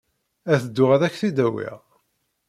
Ad dduɣ ad ak-t-id-awiɣ.